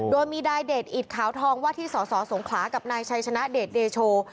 โดยมีนายเดชอิดขาวทองว่าที่สสงขลากับนายชัยชนะเดชเดโช